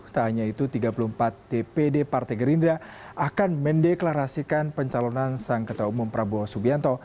tak hanya itu tiga puluh empat dpd partai gerindra akan mendeklarasikan pencalonan sang ketua umum prabowo subianto